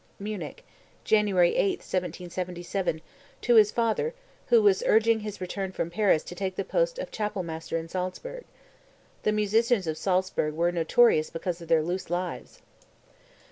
(Munich, January 8, 1779, to his father, who was urging his return from Paris to take the post of chapelmaster in Salzburg. The musicians of Salzburg were notorious because of their loose lives.)